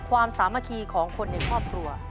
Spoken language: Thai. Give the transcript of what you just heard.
สามัคคีของคนในครอบครัว